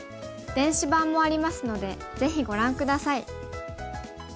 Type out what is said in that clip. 電子版もありますのでぜひご覧下さい。